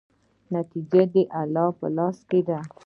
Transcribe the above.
نتیجه د الله په لاس کې ده.